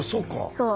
そう。